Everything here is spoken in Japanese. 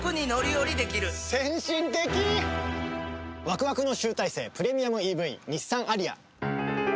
ワクワクの集大成プレミアムＥＶ日産アリア。